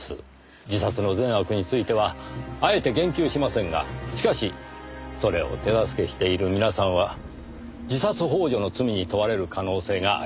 自殺の善悪についてはあえて言及しませんがしかしそれを手助けしている皆さんは自殺幇助の罪に問われる可能性があります。